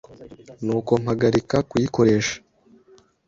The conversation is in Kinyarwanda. nuko mpagarika kuyikoresha.